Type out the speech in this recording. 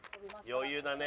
余裕だね。